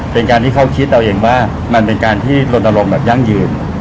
เป็นการที่เขาคิดเอาเองว่ามันเป็นการที่ลนลงแบบยั่งยืน